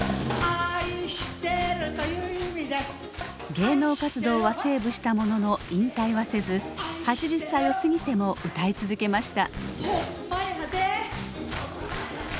芸能活動はセーブしたものの引退はせず８０歳を過ぎても歌い続けました。